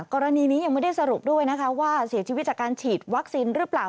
กรณีนี้ยังไม่ได้สรุปด้วยนะคะว่าเสียชีวิตจากการฉีดวัคซีนหรือเปล่า